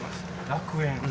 楽園？